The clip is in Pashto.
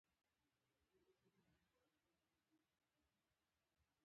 تمانچه يې ونيوله چې فارموله راکه.